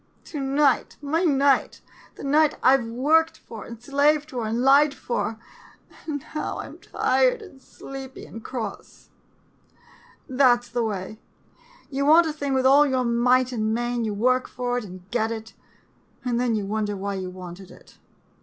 To night — my night — the night I Ve worked for, and slaved for, and lied for — and now, I 'm tired, and sleepy, and cross ! That 's the way. You want a thing with all your might and main, you work for it — and get it — and then you wonder why you wanted it.